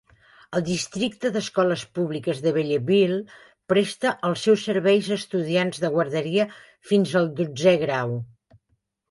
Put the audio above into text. El districte d'escoles públiques de Belleville presta els seus serveis a estudiants de guarderia fins a dotzè grau.